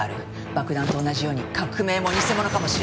爆弾と同じように革命も偽物かもしれない。